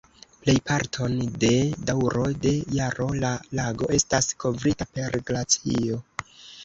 Plejparton de daŭro de jaro la lago estas kovrita per glacio.